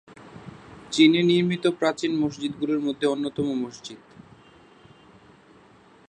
চীনে নির্মিত প্রাচীন মসজিদগুলোর মধ্যে অন্যতম মসজিদ।